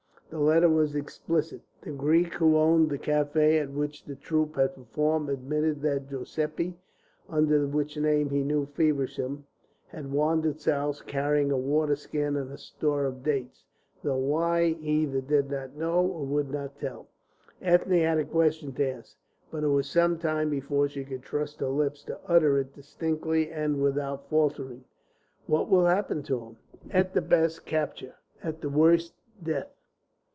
The letter was explicit; the Greek who owned the café at which the troupe had performed admitted that Joseppi, under which name he knew Feversham, had wandered south, carrying a water skin and a store of dates, though why, he either did not know or would not tell. Ethne had a question to ask, but it was some time before she could trust her lips to utter it distinctly and without faltering. "What will happen to him?" "At the best, capture; at the worst, death.